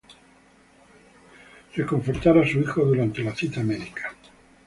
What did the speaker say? Reconfortar a su hijo durante la cita médica.